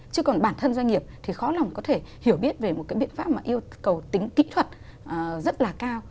chứ còn bản thân doanh nghiệp thì khó lòng có thể hiểu biết về một cái biện pháp mà yêu cầu tính kỹ thuật rất là cao